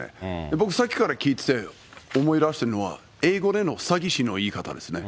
僕、さっきから聞いてて思い出しているのは、英語での詐欺師の言い方ですね。